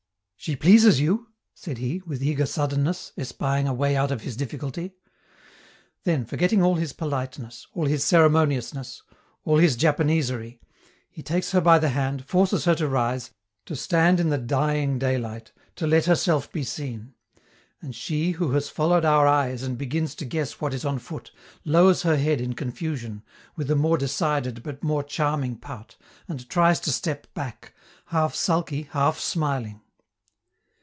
She pleases you?" said he, with eager suddenness, espying a way out of his difficulty. Then, forgetting all his politeness, all his ceremoniousness, all his Japanesery, he takes her by the hand, forces her to rise, to stand in the dying daylight, to let herself be seen. And she, who has followed our eyes and begins to guess what is on foot, lowers her head in confusion, with a more decided but more charming pout, and tries to step back, half sulky, half smiling.